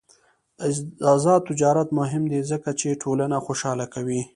آزاد تجارت مهم دی ځکه چې ټولنه خوشحاله کوي.